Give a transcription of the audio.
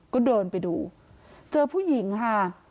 ก็เดินไปดูเจอผู้หญิงค่ะ